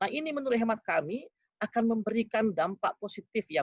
nah ini menurut hemat kami akan memberikan dampak positif ya